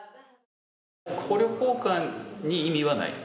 捕虜交換に意味はない。